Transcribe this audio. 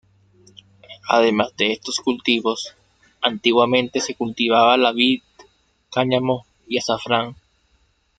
Además de estos cultivos, antiguamente se cultivaba la vid, cáñamo y azafrán.